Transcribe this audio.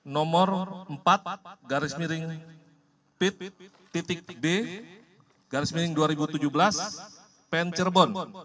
nomor empat garis miring pit b garis miring dua ribu tujuh belas pen cirebon